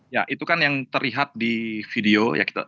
ya itu kan yang terlihat di video